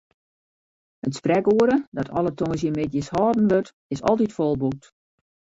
It sprekoere, dat alle tongersdeitemiddeis holden wurdt, is altyd folboekt.